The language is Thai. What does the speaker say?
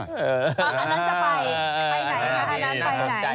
อ๋อคณะนั้นจะไป